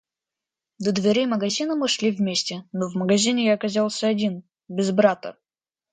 До дверей магазина мы шли вместе, но в магазине я оказался один, без брата.